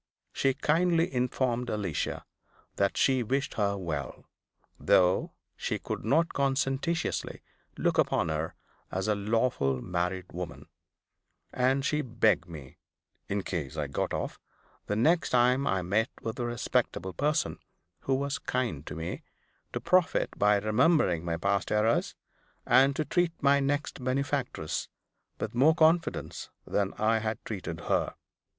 She kindly informed Alicia that she wished her well, though she could not conscientiously look upon her as a lawful married woman; and she begged me (in case I got off), the next time I met with a respectable person who was kind to me, to profit by remembering my past errors, and to treat my next benefactress with more confidence than I had treated her.